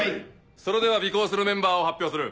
それでは尾行するメンバーを発表する。